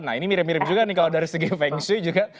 nah ini mirip mirip juga nih kalau dari segi feng shui juga